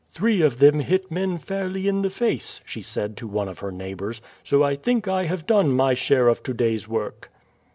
"Three of them hit men fairly in the face," she said to one of her neighbours, "so I think I have done: my share of today's work."